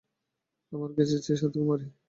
আমার কেসের চেয়ে সাতগুণ ভারি।